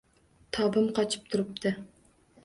Tobim qochib turibdi.